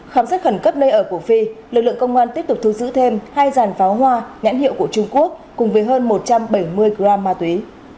khám xét khẩn cấp nơi ở của phi lực lượng công an tiếp tục thu giữ thêm hai giàn pháo hoa nhãn hiệu của trung quốc cùng với hơn một trăm bảy mươi gram ma túy